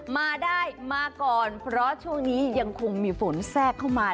มาได้มาก่อนเพราะช่วงนี้ยังคงมีฝนแทรกเข้ามา